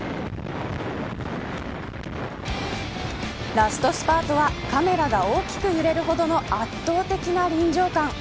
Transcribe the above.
ラストスパートはカメラが大きく揺れるほどの圧倒的な臨場感。